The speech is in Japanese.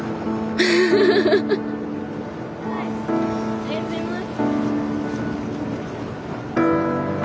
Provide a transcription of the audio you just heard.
ありがとうございます。